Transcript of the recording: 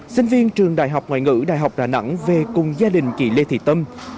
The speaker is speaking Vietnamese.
sinh viên trường đại học ngoại ngữ đại học đà nẵng về cùng gia đình chị lê thị tâm